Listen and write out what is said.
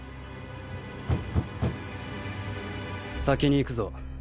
先に行くぞ。